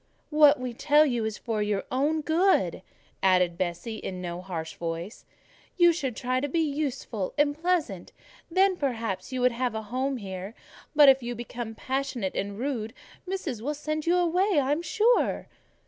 "What we tell you is for your good," added Bessie, in no harsh voice, "you should try to be useful and pleasant, then, perhaps, you would have a home here; but if you become passionate and rude, Missis will send you away, I am sure."